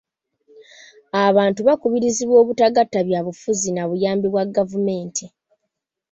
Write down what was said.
Abantu bakubirizibwa obutagatta byabufuzi na buyambi bwa gavumenti.